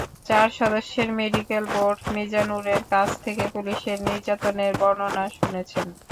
চার সদস্যের medical board মিজানুরের কাছ থেকে পুলিশের নির্যাতনের বর্ণনা শুনেছেন।